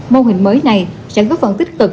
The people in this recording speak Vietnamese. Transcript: mô hình mới này sẽ có phần tích cực